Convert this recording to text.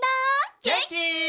げんき？